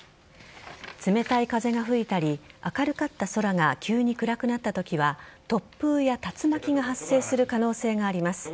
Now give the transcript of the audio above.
冷たい風が吹いたり明るかった空が急に暗くなったときは突風や竜巻が発生する可能性があります。